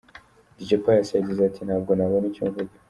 Dj Pius yagize ati: “Ntabwo nabona icyo mvuga.